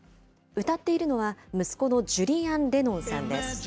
歌っているのは、息子のジュリアン・レノンさんです。